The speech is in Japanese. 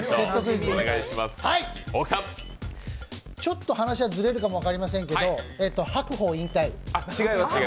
ちょっと話はずれるかもしれませんが、白鵬引退。